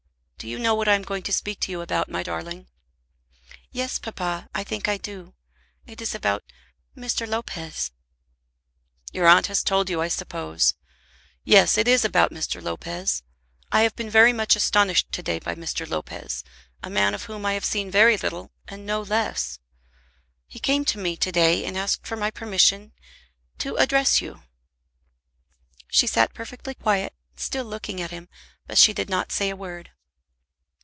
"Do you know what I am going to speak to you about, my darling?" "Yes, papa; I think I do. It is about Mr. Lopez." "Your aunt has told you, I suppose. Yes; it is about Mr. Lopez. I have been very much astonished to day by Mr. Lopez, a man of whom I have seen very little and know less. He came to me to day and asked for my permission to address you." She sat perfectly quiet, still looking at him, but she did not say a word.